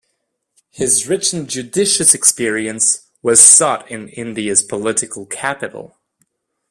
His rich and judicious experience was sought in India's political capital.